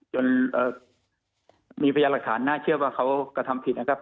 จนมีพยานหลักฐานน่าเชื่อว่าเขากระทำผิดนะครับ